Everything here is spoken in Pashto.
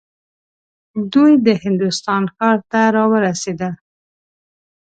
دوی د هندوستان ښار ته راورسېدل.